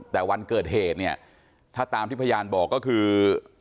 แต่วันเกิดเหตุเนี่ยถ้าตามที่พยานบอกก็คือ